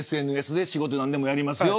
ＳＮＳで仕事何でもやりますと。